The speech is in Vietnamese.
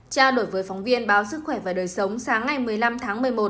trao đổi với phóng viên báo sức khỏe và đời sống sáng ngày một mươi năm tháng một mươi một